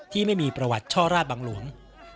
ที่มีประวัติช่อราชบังหลวง